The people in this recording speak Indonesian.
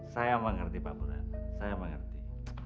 saya mengerti pak bunda saya mengerti